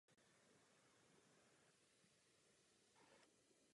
V době otevření nesl jméno Říšský most.